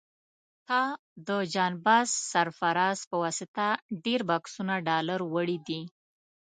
تا د جان باز سرفراز په واسطه ډېر بکسونه ډالر وړي دي.